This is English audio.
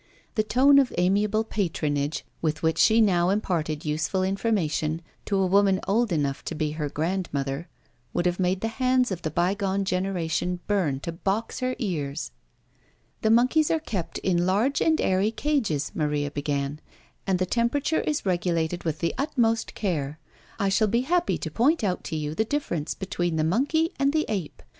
The tone of amiable patronage with which she now imparted useful information to a woman old enough to be her grandmother, would have made the hands of the bygone generation burn to box her ears. "The monkeys are kept in large and airy cages," Maria began; "and the temperature is regulated with the utmost care. I shall be happy to point out to you the difference between the monkey and the ape.